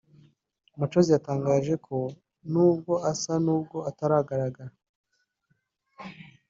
Machozi yatangaje ko nubwo asa nubwo atagaragara